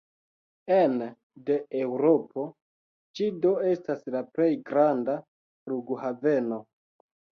Ene de Eŭropo, ĝi do estas la plej granda flughaveno.